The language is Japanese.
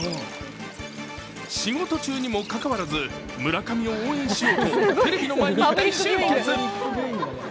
仕事中にもかかわらず、村上を応援しようとテレビの前に大集結。